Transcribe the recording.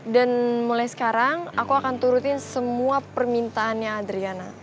dan mulai sekarang aku akan turutin semua permintaannya adriana